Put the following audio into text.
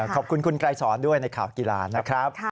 ขอบคุณคุณไกรสอนด้วยในข่าวกีฬานะครับ